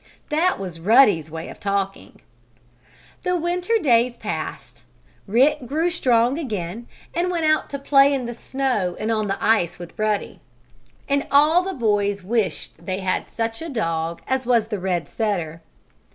That was Ruddy's way of talking. The winter days passed. Rick grew strong again and went out to play in the snow and on the ice with Ruddy. And all the boys wished they had such a dog as was the red setter.